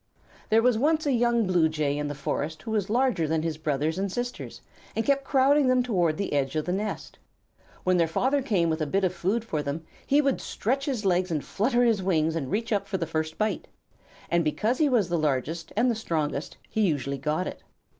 There was once a young Blue Jay in the forest who was larger than his brothers and sisters, and kept crowding them toward the edge of the nest. When their father came with a bit of food for them, he would stretch his legs and flutter his wings and reach up for the first bite. And because he was the largest and the strongest, he usually got it.